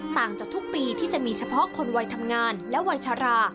ต่างจากทุกปีที่จะมีเฉพาะคนวัยทำงานและวัยชรา